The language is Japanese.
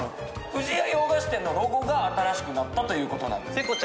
不二家洋菓子店のロゴが新しくなったということなんですペコ